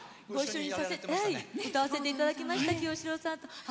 歌わせていただきました。